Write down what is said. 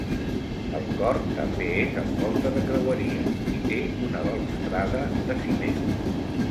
El cor també és amb volta de creueria i té una balustrada de ciment.